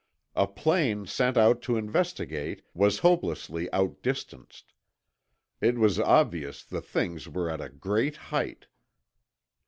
A plane sent tip to investigate was hopelessly outdistanced; it was obvious the things were at a great height.